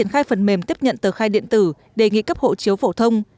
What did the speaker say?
khai phần mềm tiếp nhận tờ khai điện tử đề nghị cấp hộ chiếu phổ thông